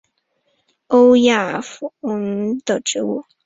欧亚萍蓬草是睡莲科萍蓬草属的植物。